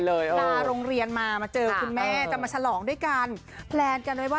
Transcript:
ลาเรียนเลย